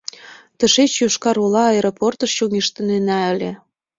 — Тышеч Йошкар-Ола аэропортыш чоҥештынена ыле.